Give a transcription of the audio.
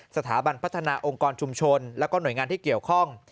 สถาบันพัฒนาองค์กรชุมชนแล้วก็หน่วยงานที่เกี่ยวข้อง